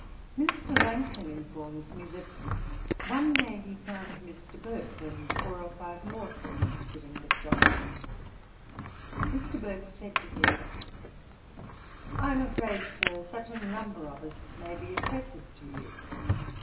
Mr. Langton informs me, that, 'one day he found Mr. Burke and four or five more friends sitting with Johnson. Mr. Burke said to him, "I am afraid, Sir, such a number of us may be oppressive to you."